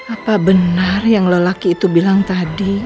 apa benar yang lelaki itu bilang tadi